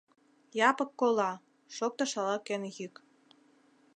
— Япык кола! — шоктыш ала-кӧн йӱк.